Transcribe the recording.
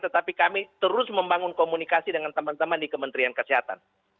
tetapi kami terus membangun komunikasi dengan teman teman di kementerian kesehatan